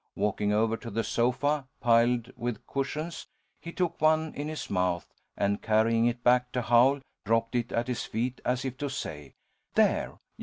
Walking over to the sofa piled with cushions, he took one in his mouth, and carrying it back to Howl dropped it at his feet as if to say, "There!